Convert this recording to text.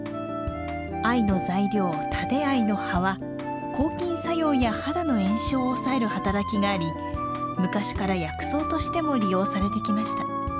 藍の材料タデアイの葉は抗菌作用や肌の炎症を抑える働きがあり昔から薬草としても利用されてきました。